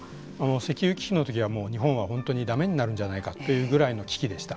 石油危機の時は日本は本当にだめになるんじゃないかというぐらいの危機でした。